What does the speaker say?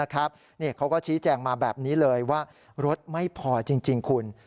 เขาก็ชี้แจงมาแบบนี้เลยว่ารถไม่พอจริงคุณ